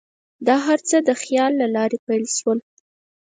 دا هر څه د خیال له لارې پیل شول.